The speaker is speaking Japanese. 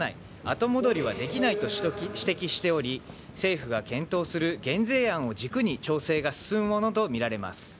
後戻りはできないと指摘しており政府が検討する減税案を軸に調整が進むものとみられます。